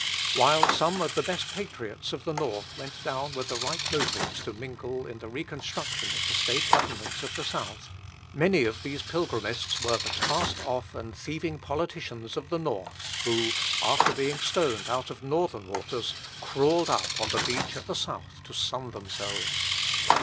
While some of the best patriots of the North went down with the right motives to mingle in the reconstruction of the State governments of the South, many of these pilgrimists were the cast off and thieving politicians of the North, who, after being stoned out of Northern waters, crawled up on the beach at the South to sun themselves.